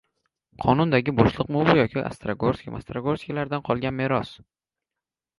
Qonundagi bo‘shliqmi bu yoki «Ostrogorskiy-mostrogorskiy»lardan qolgan meros?